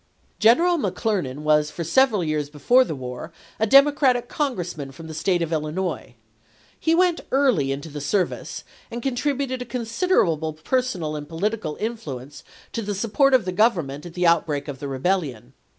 General McClernand was for several years before the war a Democratic Congressman from the State of Illinois. He went early into the service, and contributed a considerable personal and political influence to the support of the Government at the outbreak of the rebellion.